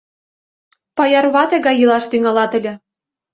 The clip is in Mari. Паяр вате гай илаш тӱҥалат ыле.